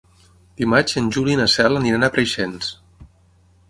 Dimarts en Juli i na Cel aniran a Preixens.